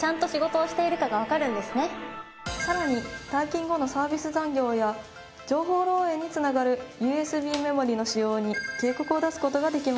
さらに退勤後のサービス残業や情報漏洩に繋がるＵＳＢメモリーの使用に警告を出す事ができます。